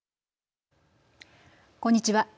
こんにちは。